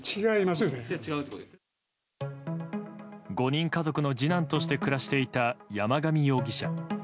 ５人家族の次男として暮らしていた山上容疑者。